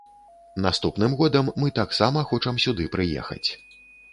Наступным годам мы таксама хочам сюды прыехаць.